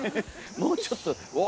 もうちょっとおお⁉うわ。